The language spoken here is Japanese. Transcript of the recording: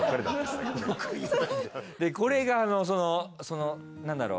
でこれがその何だろう